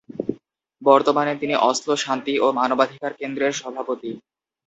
বর্তমানে তিনি অসলো শান্তি ও মানবাধিকার কেন্দ্রের সভাপতি।